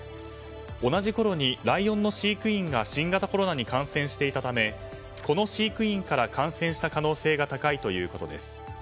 同じころにライオンの飼育員が新型コロナに感染していたためこの飼育員から感染した可能性が高いということです。